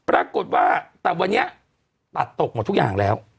ปรากฏว่าแต่วันนี้ตัดตกหมดทุกอย่างแล้ว